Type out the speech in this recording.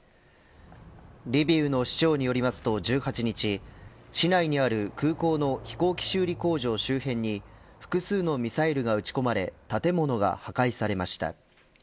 リビウの市長によりますと１８日市内にある空港の飛行機修理工場周辺に複数のミサイルが撃ち込まれ建物が破壊されました。